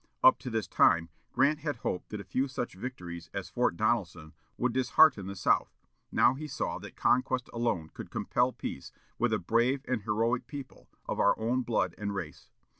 Up to this time, Grant had hoped that a few such victories as Fort Donelson would dishearten the South; now he saw that conquest alone could compel peace, with a brave and heroic people, of our own blood and race.